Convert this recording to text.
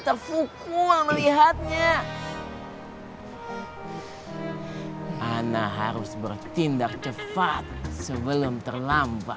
terfukul melihatnya ana harus bertindak cepat sebelum terlambat